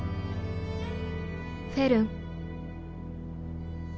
フェルン。